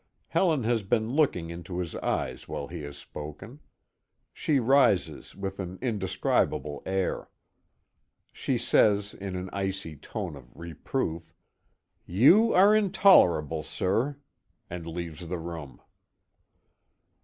Helen has been looking into his eyes while he has spoken. She rises with an indescribable air. She says in an icy tone of reproof: "You are intolerable, sir," and leaves the room.